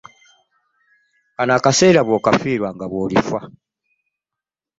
Kano akaseera bw'okafiirwa nga bw'olifa.